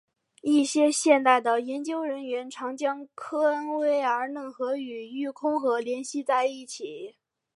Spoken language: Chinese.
一些现代的研究人员常将科恩威尔嫩河与育空河联系在一起。